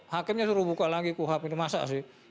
hakimnya suruh buka lagi kuhab itu masa sih